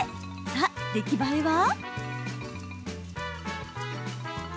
さあ、出来栄えは？